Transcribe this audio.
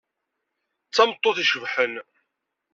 D tameṭṭut icebḥen.